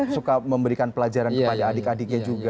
suka memberikan pelajaran kepada adik adiknya juga